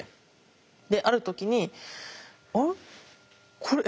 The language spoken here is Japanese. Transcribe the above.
である時にあれ？